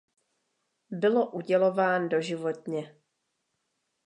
Bylo udělován doživotně.